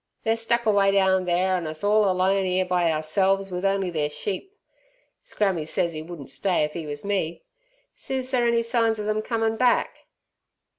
They're stuck away down there an' us orl alone 'ere by ourselves with only ther sheep. Scrammy sez 'e wouldn't stay if 'e wus me. See's there any signs er 'em comin' back!"